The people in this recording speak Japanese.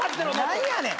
何やねん。